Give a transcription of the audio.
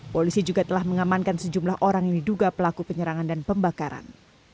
polisi juga telah mengamankan sejumlah orang yang diduga pelaku penyerangan dan pembakaran